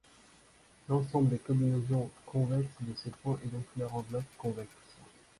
L'ensemble des combinaisons convexes de ces points est donc leur enveloppe convexe.